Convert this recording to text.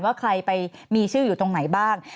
ว่าใครไปมีชื่ออยู่ตรงไหนบ้าง